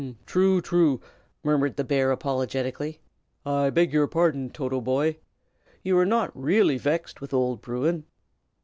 "True! true!" murmured the bear, apologetically. "I beg your pardon, Toto, boy. You are not really vexed with old Bruin?"